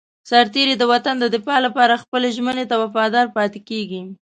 سرتېری د وطن د دفاع لپاره خپلې ژمنې ته وفادار پاتې کېږي.